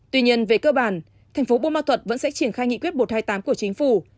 tuy nhiên về cơ bản thành phố bô ma thuật vẫn sẽ triển khai nghị quyết một trăm hai mươi tám của chính phủ